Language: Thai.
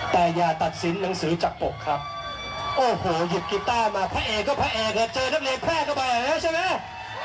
แต่อย่าตัดสินหนังสือจักรปกครับโอ้โหหยิบกีตาร์มาพระเอกก็พระเอกเจอด้านเลขแพร่ก็บ่อยแล้วใช่ไหม